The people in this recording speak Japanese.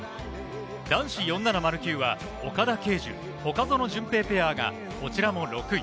男子４７０級は岡田奎樹、外薗潤平ペアがこちらも６位。